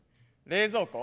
冷蔵庫。